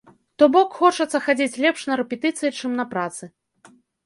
То бок, хочацца хадзіць лепш на рэпетыцыі, чым на працы.